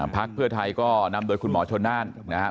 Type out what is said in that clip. พักเพื่อไทยก็นำโดยคุณหมอชนน่านนะครับ